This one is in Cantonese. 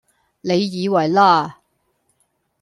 你以為啦！